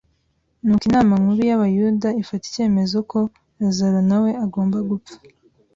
Nuko inama nkuru y'Abayuda ifata icyemezo ko Lazaro na we agomba gupfa